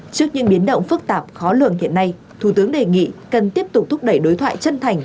trước những biến động phức tạp khó lường hiện nay thủ tướng đề nghị cần tiếp tục thúc đẩy đối thoại chân thành